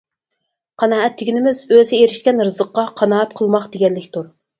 قانائەت دېگىنىمىز، ئۆزى ئېرىشكەن رىزىققا قانائەت قىلماق دېگەنلىكتۇر.